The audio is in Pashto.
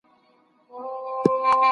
دی په کيمبريج پوهنتون کي استاد و.